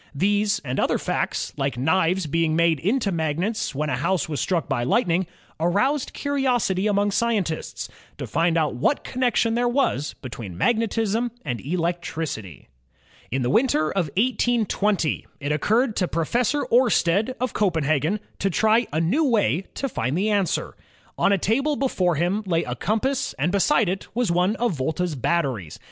These and other facts, like knives being made into magnets when a house was struck by lightning, aroused curiosity among scientists, to find out what connection there was between magnetism and electricity. ELECTRIC ENGINE AND ELECTRIC LOCOMOTIVE 77 In the winter of 1820, it occurred to Professor Oersted, of Copenhagen, to try a new way to find the answer. On a table before him lay a compass and beside it was one of Volta's batteries.